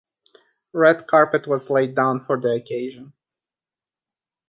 Red carpet was laid down for the occasion.